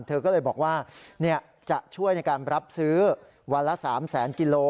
เธอก็เลยบอกว่าจะช่วยในการรับซื้อวันละ๓แสนกิโล